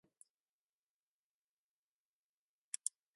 Minitel used terminals consisting of a text-based screen, keyboard and modem.